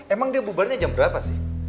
emang dia bubarnya jam berapa sih